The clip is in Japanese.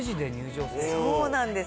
そうなんです。